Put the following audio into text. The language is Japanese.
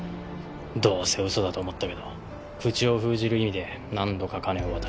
どうせ嘘だと思ったけど口を封じる意味で何度か金を渡した。